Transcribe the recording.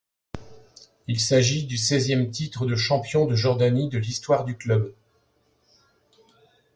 Il s'agit du seizième titre de champion de Jordanie de l'histoire du club.